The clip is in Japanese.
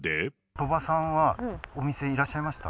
鳥羽さんは、お店にいらっしゃいました？